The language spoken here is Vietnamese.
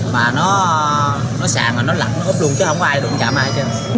mà nó sàn và nó lật nó úp luôn chứ không có ai đụng chạm ai hết